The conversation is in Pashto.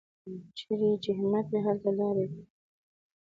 چېرې چې همت وي، هلته لاره وي.